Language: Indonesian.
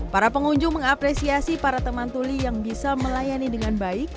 para pengunjung mengapresiasi para teman tuli yang bisa melayani dengan baik